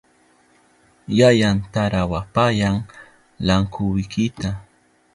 Yayan tarawapayan lankwikita.